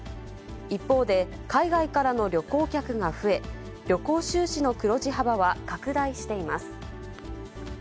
一方で、海外からの旅行客が増え、旅行収支の黒字幅は拡大しています。